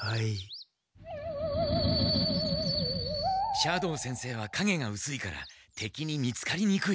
斜堂先生はかげが薄いから敵に見つかりにくい。